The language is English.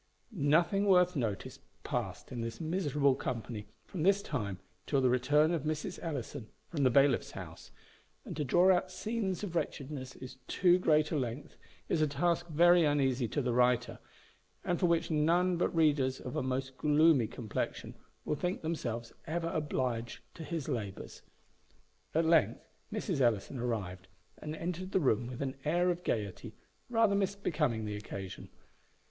Nothing worth notice past in this miserable company from this time till the return of Mrs. Ellison from the bailiff's house; and to draw out scenes of wretchedness to too great a length, is a task very uneasy to the writer, and for which none but readers of a most gloomy complexion will think themselves ever obliged to his labours. At length Mrs. Ellison arrived, and entered the room with an air of gaiety rather misbecoming the occasion.